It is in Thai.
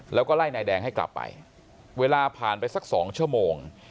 แล้วก็ไล่นายแดงให้กลับไปเวลาผ่านไปสัก๒ชั่วโมง